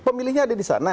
pemilihnya ada di sana